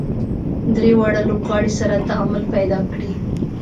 درې واړه لوبغاړي سره تعامل پیدا کړي.